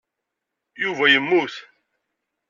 Yuba yemmut.